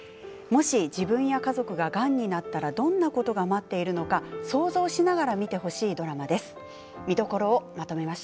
もし自分や家族ががんになったらどんなことが待っているのか想像しながら見てほしいドラマになっています。